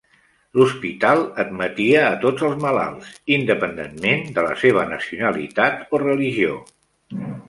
L'hospital admetia a tots els malalts, independentment de la seva nacionalitat o religió.